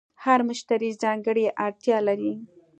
هر مشتری ځانګړې اړتیا لري.